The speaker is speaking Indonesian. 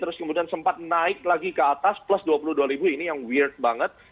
terus kemudian sempat naik lagi ke atas plus dua puluh dua ribu ini yang weard banget